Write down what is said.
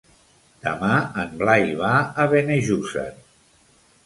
Demà en Blai va a Benejússer.